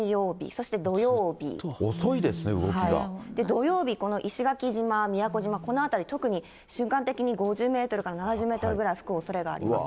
土曜日、この石垣島、宮古島、この辺り、特に瞬間的に５０メートルから７０メートルぐらい吹くおそれがあうわー。